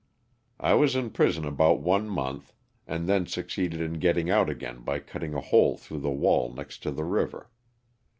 '' I was in prison about one month, and then succeeded in getting out again by cutting a hole through the wall next to the river.